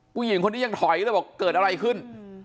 ผู้หญิงคนนี้ยังถอยเลยบอกเกิดอะไรขึ้น